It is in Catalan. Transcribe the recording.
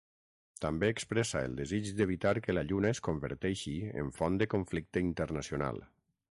També expressa el desig d'evitar que la Lluna es converteixi en font de conflicte internacional.